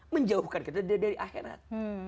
menjauhkan kita dari akhirat